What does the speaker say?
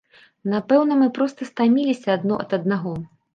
Напэўна мы проста стаміліся адно ад аднаго.